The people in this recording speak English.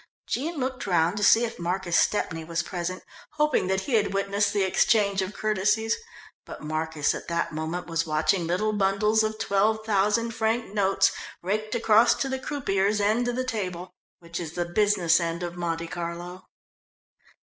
Jean looked round to see if Marcus Stepney was present, hoping that he had witnessed the exchange of courtesies, but Marcus at that moment was watching little bundles of twelve thousand franc notes raked across to the croupier's end of the table which is the business end of Monte Carlo.